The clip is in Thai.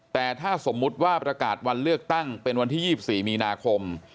แต่ถ้าสมมุติว่าประกาศวันเลือกตั้งเป็นวันที่๒๔มีนาคม